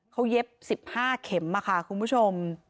เขาเย็บ๑๕เข็มค่ะคุณผู้ชม